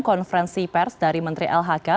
konferensi pers dari menteri lhk